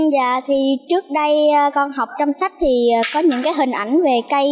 và thì trước đây con học trong sách thì có những cái hình ảnh về cây